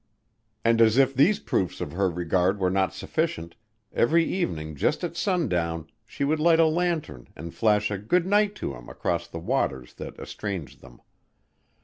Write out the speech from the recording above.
And as if these proofs of her regard were not sufficient, every evening just at sundown she would light a lantern and flash a good night to him across the waters that estranged them.